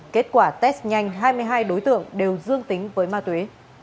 kết quả test nhanh hai mươi hai đối tượng đều dương tính với ma túy